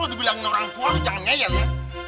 lu kalo dibilangin orang tua lu jangan ngeyel ya